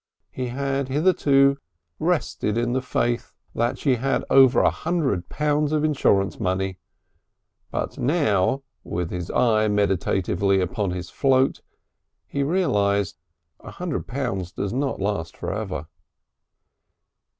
He had hitherto rested in the faith that she had over a hundred pounds of insurance money, but now, with his eye meditatively upon his float, he realised a hundred pounds does not last for ever.